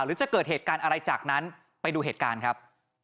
หรือจะเกิดเหตุการณ์อะไรจากนั้นไปดูเหตุการณ์ครับ